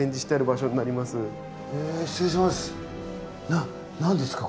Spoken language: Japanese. な何ですか？